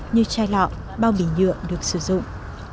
như chai lọ bao bì nhựa được sử dụng